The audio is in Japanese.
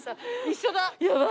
一緒だ。